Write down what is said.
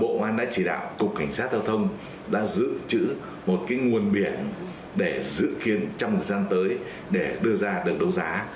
bộ công an đã chỉ đạo cục cảnh sát giao thông đã giữ chữ một cái nguồn biển để giữ kiến trong thời gian tới để đưa ra được đấu giá